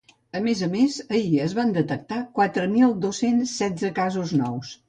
A més a més, ahir es van detectar quatre mil dos-cents setze casos nous.